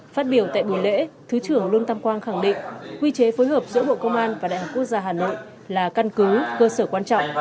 phát biểu tại buổi lễ thứ trưởng lương tâm quang khẳng định quy chế phối hợp giữa bộ công an và đại học quốc gia hà nội là căn cứ cơ sở quan trọng